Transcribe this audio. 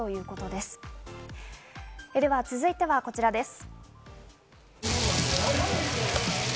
では続いてはこちらです。